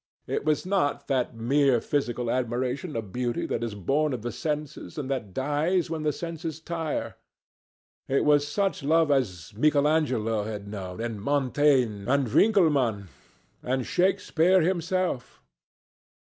It was not that mere physical admiration of beauty that is born of the senses and that dies when the senses tire. It was such love as Michelangelo had known, and Montaigne, and Winckelmann, and Shakespeare himself.